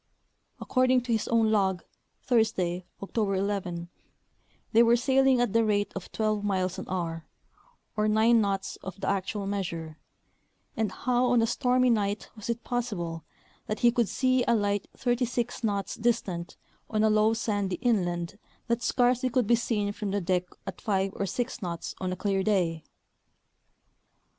According to his own log, Thursday, Octo ber 11, they were sailing at the rate of twelve miles an hour, or nine knots of the actuifl measure, and how on a stormy night was it possible that he could see a light thirty six knots distant on a low sandy inland that scarcely could be seen from the deck at five or six knots on a clear day